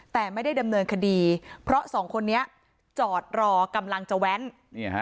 แต่ไม่ได้ดำเนินคดีเพราะสองคนนี้จอดรอกำลังจะแว้น